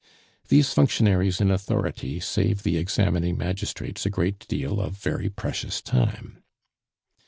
These functionaries in authority save the examining magistrates a great deal of very precious time.